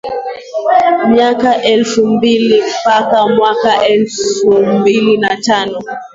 Mwaka elfu mbili mpaka mwaka elfu mbili na tano